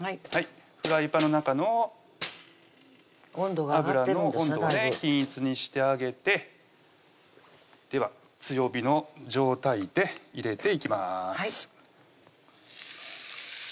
フライパンの中の油の温度を均一にしてあげてでは強火の状態で入れていきます